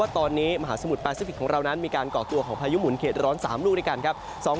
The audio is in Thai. ตอนนี้มหาสมุทรแปซิฟิกของเรานั้นมีการก่อตัวของพายุหมุนเขตร้อน๓ลูกด้วยกันครับ